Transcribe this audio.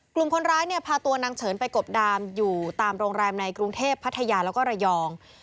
กลุ่มคนร้ายเนี่ยพาตัวนางเฉินไปกบดามอยู่ตามโรงแรมในกรุงเทพพัทยาแล้วก็ระยอง